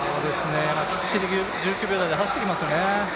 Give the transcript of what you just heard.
きっちり１９秒台で走ってきていますよね。